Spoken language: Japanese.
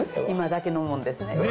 今だけのもんですね。